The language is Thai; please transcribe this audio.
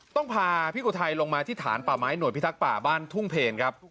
ต้องพาพี่อุทัยลงมาที่ฐานป่าไม้หน่วยพิทักษ์ป่าบ้านทุ่งเพลครับ